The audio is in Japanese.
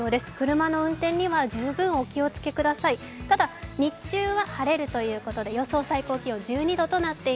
車の運転には十分お気をつけください。